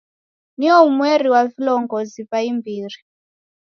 Nio umweri wa vilongozi va imbiri.